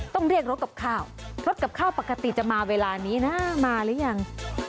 ต้องเรียกรถกับข้าวรถกับข้าวปกติจะมาเวลานี้นะมาหรือยัง